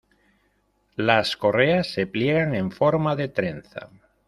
Las correas se pliegan en forma de trenza.